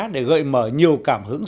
để gợi mở nhiều cảm hứng